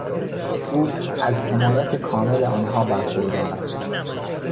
او از حمایت کامل آنها برخوردار است.